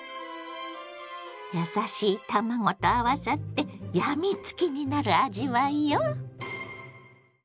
優しい卵と合わさって病みつきになる味わいよ。